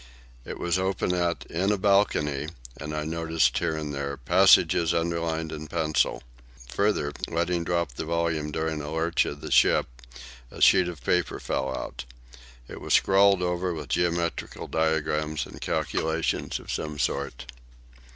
It was open at "In a Balcony," and I noticed, here and there, passages underlined in pencil. Further, letting drop the volume during a lurch of the ship, a sheet of paper fell out. It was scrawled over with geometrical diagrams and calculations of some sort.